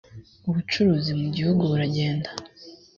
ubucuruzi mugihugu buragenda